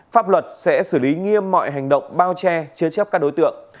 pháp luật sẽ xử lý nghiêm mọi hành động bao che chế chấp các đối tượng